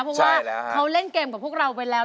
เพราะว่าเขาเล่นเกมกับพวกเราไปแล้ว